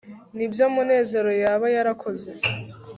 nibyo munezero yaba yarakoze